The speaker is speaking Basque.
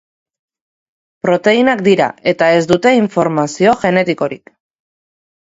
Proteinak dira, eta ez dute informazio genetikorik.